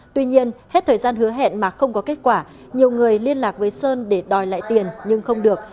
tuy nhiên hết thời gian hứa hẹn mà không có kết quả nhiều người liên lạc với sơn để đòi lại tiền nhưng không được